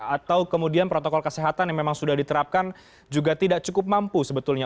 atau kemudian protokol kesehatan yang memang sudah diterapkan juga tidak cukup mampu sebetulnya